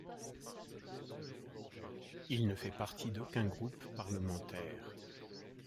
Il ne fait partie d'aucun groupe parlementaire.